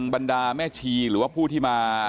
บรรดาแม่ชีหรือว่าผู้ที่มา